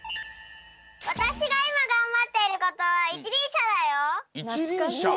わたしがいまがんばっていることはいちりんしゃ。